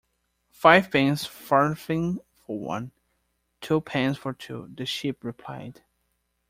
‘Fivepence farthing for one—Twopence for two,’ the Sheep replied.